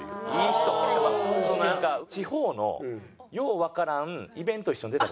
地方のようわからんイベント一緒に出た事あるんですけど。